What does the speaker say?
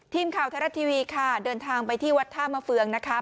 ทีมข่าวไทยรัฐทีวีค่ะเดินทางไปที่วัดท่ามะเฟืองนะคะ